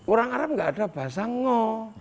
orang arab nggak ada bahasa ngo